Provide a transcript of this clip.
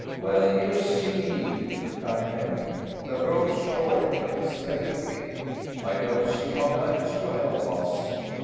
"Well, you see," replied Flemming, "the rope's short, but it's very thick." "I don't see how that is to help us."